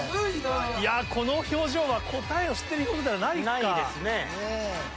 いやこの表情は答えを知ってる表情ではないか。